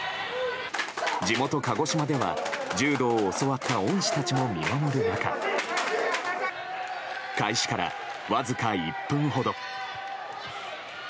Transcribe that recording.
地元・鹿児島では柔道を教わった恩師たちも見守る中開始から、わずか１分ほど。